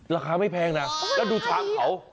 ราคาไม่แพงนะแล้วดูชามเขา